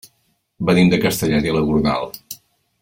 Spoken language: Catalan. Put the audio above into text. Venim de Castellet i la Gornal.